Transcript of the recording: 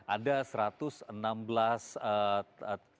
ada satu ratus enam belas titik